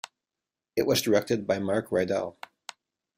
It was directed by Mark Rydell.